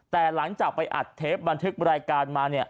แต่หลังจากไปอัดเทปบันทึกรายการมาเนี่ย